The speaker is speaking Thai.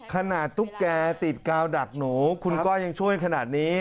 ตุ๊กแกติดกาวดักหนูคุณก้อยยังช่วยขนาดนี้